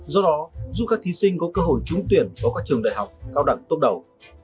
do đó giúp các thí sinh có cơ hội trúng tuyển vào các trường đại học cao đẳng tốt đầu